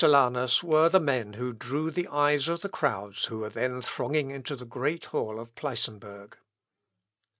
Such, according to Mosellanus, were the men who drew the eyes of the crowds who were then thronging into the great hall of Pleissenburg.